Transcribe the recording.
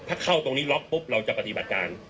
ถ้าเข้าตรงนี้ล็อกปุ๊บเราจะปฏิบัติการ